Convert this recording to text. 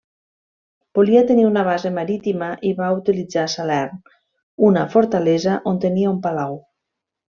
Volia tenir una base marítima i va utilitzar Salern, una fortalesa on tenia un palau.